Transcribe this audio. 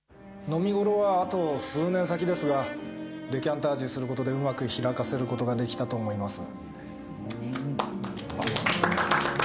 飲み頃はあと数年先ですがデカンタージュする事でうまく開かせる事ができたと思います。